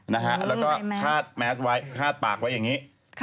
แล้วก็คาดแมสไว้คาดปากไว้อย่างนี้